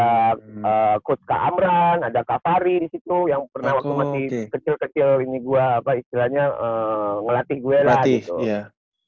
terus ada coach kak amran ada kak fari di situ yang pernah waktu masih kecil kecil ini gue apa istilahnya ngelatih gue lah gitu